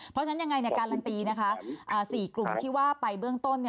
เพราะฉะนั้นยังไงการันตี๔กลุ่มที่ว่าไปเบื้องต้น